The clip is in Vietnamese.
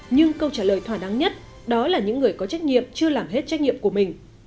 nhưng câu trả lời thỏa đáng nhất đó là những người có trách nhiệm chưa làm hết trách nhiệm của mình